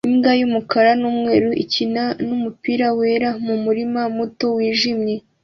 Imbwa y'umukara n'umweru ikina n'umupira wera mu murima muto wijimye